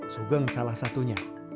sugeng salah satunya